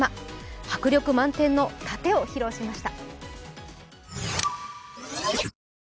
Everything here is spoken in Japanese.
迫力満点の殺陣を披露しました。